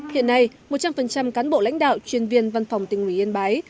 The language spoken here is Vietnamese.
hiện nay một trăm linh cán bộ lãnh đạo chuyên viên văn phòng tỉnh ủy yên bái